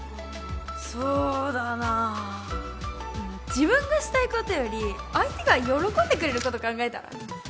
そうだな自分がしたいことより相手が喜んでくれること考えたら？